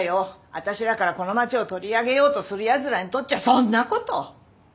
私らからこの町を取り上げようとするやつらにとっちゃそんなこと。